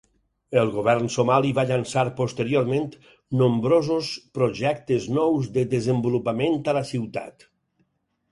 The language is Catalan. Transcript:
El govern somali va llançar, posteriorment, nombrosos projectes nous de desenvolupament a la ciutat.